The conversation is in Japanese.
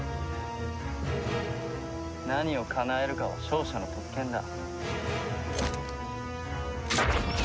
何をかなえるかは勝者の特権だ。